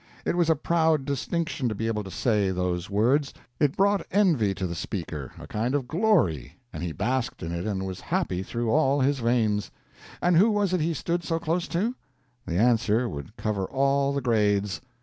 It was a proud distinction to be able to say those words. It brought envy to the speaker, a kind of glory; and he basked in it and was happy through all his veins. And who was it he stood so close to? The answer would cover all the grades.